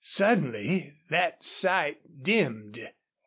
Suddenly that sight dimmed.